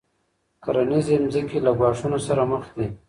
کرنیزې ځمکې له ګواښونو سره مخ دي.